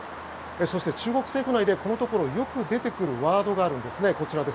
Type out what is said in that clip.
そして、中国政府内でこのところよく出てくるワードがあるんですね。